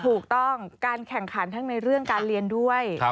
ถูกต้องการแข่งขันทั้งในเรื่องการเรียนด้วย